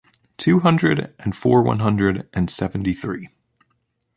Two hundred and four one hundred and seventy-three.